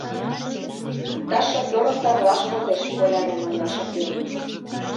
— Иктаж шофёрым тарлаш возеш, — колянен ойла шофёр.